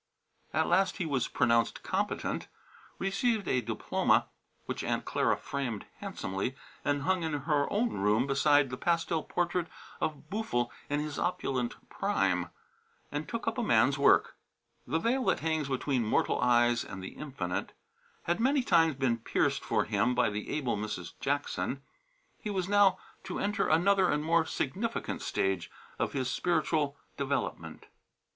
At last he was pronounced competent, received a diploma (which Aunt Clara framed handsomely and hung in her own room beside the pastel portrait of Boo'ful in his opulent prime) and took up a man's work. The veil that hangs between mortal eyes and the Infinite had many times been pierced for him by the able Mrs. Jackson. He was now to enter another and more significant stage of his spiritual development.